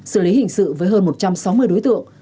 xử lý hình sự với hơn một trăm sáu mươi đối tượng